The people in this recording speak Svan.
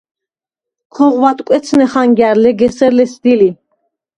ქოღვ ადკვეცნე ხანგა̈რ, ლეგ ესერ ლესგდი ლი.